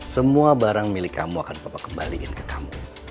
semua barang milik kamu akan papa kembalikan ke kamu